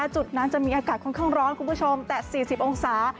จุดนั้นจะมีอากาศค่อนข้างร้อนคุณผู้ชมแต่๔๐องศา